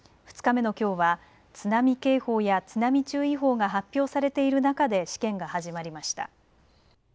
２日目のきょうは津波警報や津波注意報が発表されている中で試験が始まりました。